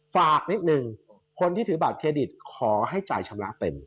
ฝากนิดนึงคนที่ถือบัตรเครดิตขอให้จ่ายชำระเต็ม